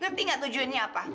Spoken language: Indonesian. ngerti nggak tujuannya apa